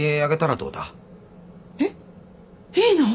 えっいいの？